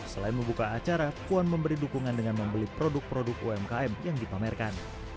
selain membuka acara puan memberi dukungan dengan membeli produk produk umkm yang dipamerkan